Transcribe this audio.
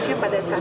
sama terdakwa dulu